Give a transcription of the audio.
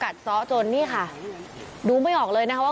กัดซ้อจนเนี่ยค่ะดูไม่ออกเลยนะค่ะ